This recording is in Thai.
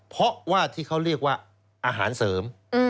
เพราะว่าที่เขาเรียกว่าอาหารเสริม